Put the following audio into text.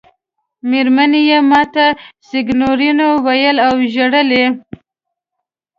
مېرمنې یې ما ته سېګنورینو وویل او ژړل یې.